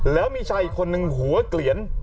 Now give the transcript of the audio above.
แล้วมีสายขนหนึ่งหัวกเลียน